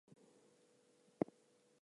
My binder clip broke.